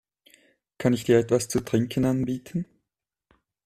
Kann ich dir etwas zu trinken anbieten?